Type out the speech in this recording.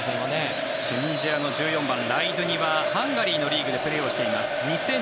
チュニジアの１４番ライドゥニはハンガリーのリーグでプレーをしています。